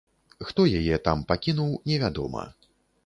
Хто яе там пакінуў, невядома.